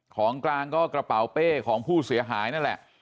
ของกลางก็กระเป๋าเป้ของผู้เสียหายนั่นแหละ